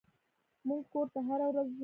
موږ کور ته هره ورځ ځو.